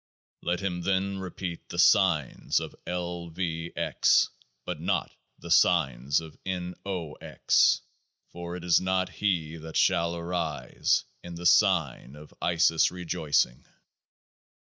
Let him then repeat the signs of L. V. X. but not the signs of N.O.X. ; for it is not he that shall arise in the Sign of Isis Rejoicing.